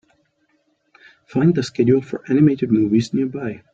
Find the schedule for animated movies nearby